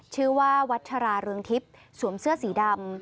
ชื่อว่าวัชราเรืองทิพย์สวมเสื้อสีดำ